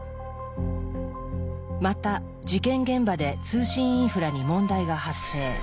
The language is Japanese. また事件現場で通信インフラに問題が発生。